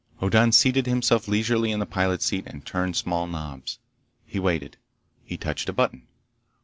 Hoddan seated himself leisurely in the pilot's seat and turned small knobs. He waited. He touched a button.